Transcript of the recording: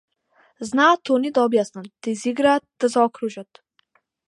Знаат они да објаснат, да изиграат, да заокружат.